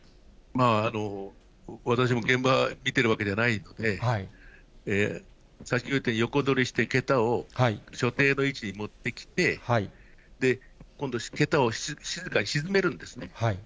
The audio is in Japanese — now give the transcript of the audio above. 私も現場見てるわけではないので、さっき言ったように横取りした桁を所定の位置に持ってきて、で、今度桁を静かに沈めるんですね。